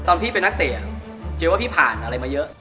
พี่เป็นนักเตะเจ๊ว่าพี่ผ่านอะไรมาเยอะ